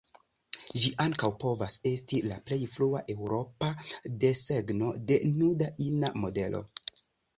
Ĝi ankaŭ povas esti la plej frua eŭropa desegno de nuda ina modelo.